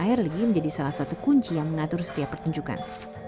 kakak sunung airly menjadi salah satu kunci yang mengatur setiap pertunjukan